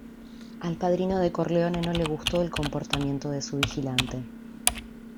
Al Padrino de Corleone no le gustó el comportamiento de su vigilante.